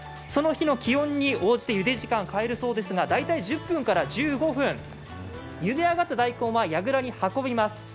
その日の気温に応じてゆで時間を変えるそうですが、大体１０分から１５分、ゆで上がった大根はやぐらに運びます。